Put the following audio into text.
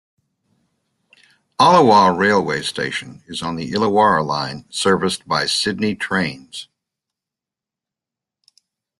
Allawah railway station is on the Illawarra line serviced by Sydney Trains.